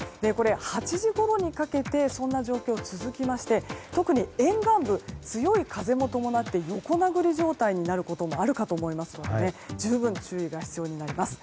８時ごろにかけてそんな状況が続きまして特に沿岸部、強い風も伴って横殴り状態になることもあるかと思いますので十分、注意が必要になります。